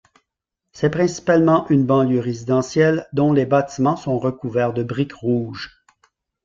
C'est principalement une banlieue résidentielle dont les bâtiments sont recouverts de briques rouges.